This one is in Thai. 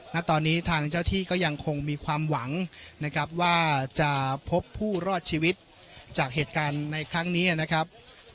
ณตอนนี้ทางเจ้าที่ก็ยังคงมีความหวังนะครับว่าจะพบผู้รอดชีวิตจากเหตุการณ์ในครั้งนี้นะครับ